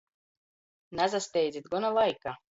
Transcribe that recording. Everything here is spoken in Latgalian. Nasasteidzit, gona laika!